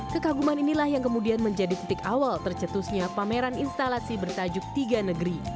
kekaguman inilah yang kemudian menjadi titik awal tercetusnya pameran instalasi bertajuk tiga negeri